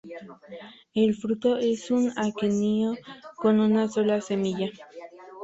El fruto es un aquenio, con una sola semilla.